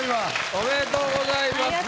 ありがとうございます。